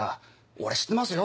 「俺知ってますよ」